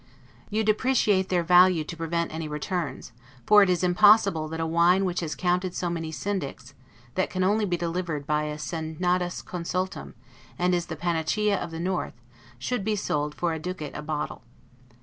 You depreciate their value to prevent any returns; for it is impossible that a wine which has counted so many Syndicks, that can only be delivered by a 'senatus consultum', and is the PANACEA Of the North, should be sold for a ducat a bottle.